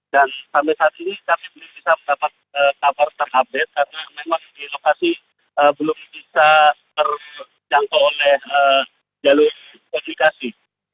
dan sampai saat ini kami belum bisa mendapatkan kabar terupdate karena memang di lokasi belum bisa terjangkau oleh jalur komunikasi